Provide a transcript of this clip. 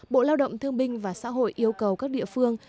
bộ lao động thương binh và xã hội yêu cầu các địa phương